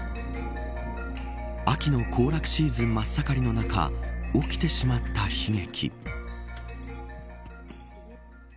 秋の行楽シーズン真っ盛りの中起きてしまった悲劇。